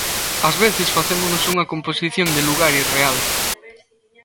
Ás veces facémonos unha composición de lugar irreal.